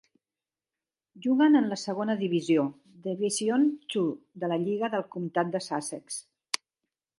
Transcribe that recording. Juguen en la segona divisió (Division Two) de la lliga del comtat de Sussex.